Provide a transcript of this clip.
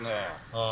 ああ。